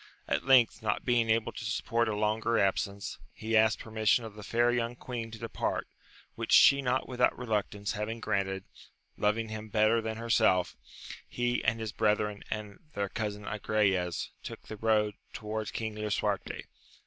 At length, not being able to support a longer absence, he asked permission of the fair young queen to depart, which she not without reluctance having granted, loving him better than herself, he and his brethren and their cousin Agrayes took the road towards King Lisuarte.